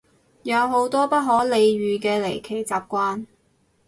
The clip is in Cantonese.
有好多不可理喻嘅離奇習慣